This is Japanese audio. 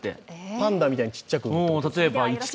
パンダみたいにちっちゃく生まれる？